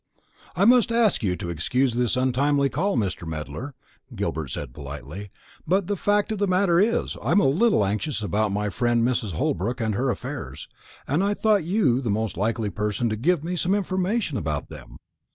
"I must ask you to excuse this untimely call, Mr. Medler," Gilbert said politely; "but the fact of the matter is, I am a little anxious about my friend Mrs. Holbrook and her affairs, and I thought you the most likely person to give me some information about them.